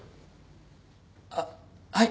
あっはい。